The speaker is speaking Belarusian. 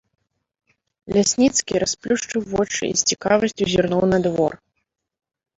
Лясніцкі расплюшчыў вочы і з цікавасцю зірнуў на двор.